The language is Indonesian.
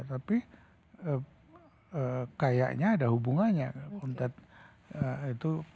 tapi eee kayaknya ada hubungannya kuntet itu